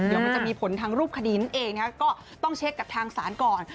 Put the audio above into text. เดี๋ยวมันจะมีผลทางรูปคดีนั่นเองก็ต้องเช็คกับทางศาลก่อน